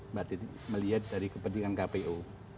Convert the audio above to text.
mbak titi melihat dari kepentingan kpu